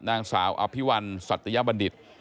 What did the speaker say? นางสาวอภิวัลสัตยบัณฑิต